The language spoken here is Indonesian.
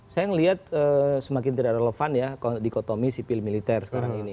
saya melihat semakin tidak relevan ya dikotomi sipil militer sekarang ini